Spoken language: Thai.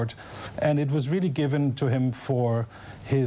ได้รักษาที่คุณประโยชน์